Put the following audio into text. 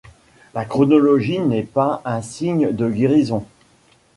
La chronologie n'est pas un signe de guérison.